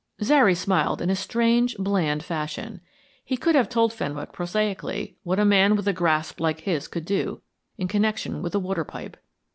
Zary smiled in a strange, bland fashion. He could have told Fenwick prosaically what a man with a grasp like his could do in connection with a water pipe.